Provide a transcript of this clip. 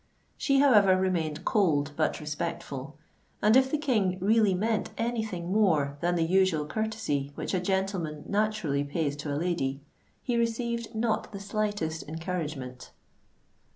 She however remained cold, but respectful; and if the King really meant any thing more than the usual courtesy which a gentleman naturally pays to a lady, he received not the slightest encouragement.